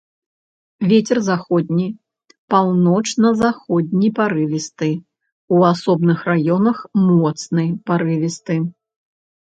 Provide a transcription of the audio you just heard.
Вецер заходні, паўночна-заходні парывісты, у асобных раёнах моцны парывісты.